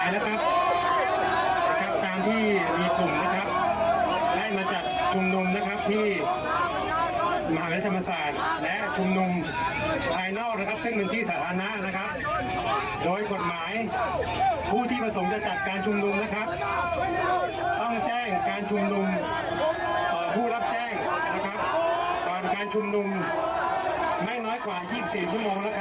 นะครับตอนการชุมนุมแม่งน้อยกว่ายี่สิบสี่ชั่วโมงนะครับ